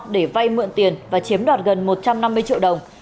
để vay mượn tiền và chiếm đoạt gần một trăm năm mươi triệu đồng